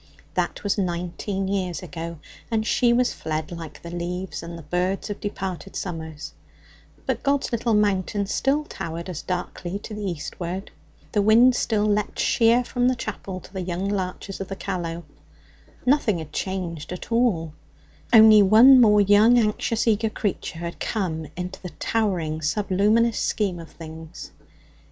That was nineteen years ago, and she was fled like the leaves and the birds of departed summers; but God's Little Mountain still towered as darkly to the eastward; the wind still leapt sheer from the chapel to the young larches of the Callow; nothing had changed at all; only one more young, anxious, eager creature had come into the towering, subluminous scheme of things.